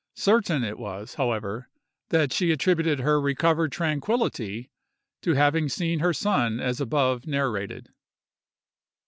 Certain it was, however, that she attributed her recovered tranquillity to having seen her son as above narrated.